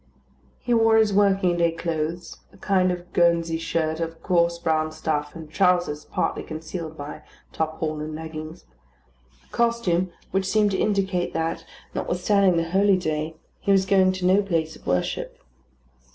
He wore his working day clothes a kind of Guernsey shirt of coarse brown stuff, and trousers partly concealed by tarpaulin leggings a costume which seemed to indicate that, notwithstanding the holy day, he was going to no place of worship.